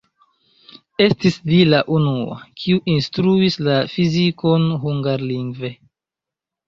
Estis li la unua, kiu instruis la fizikon hungarlingve.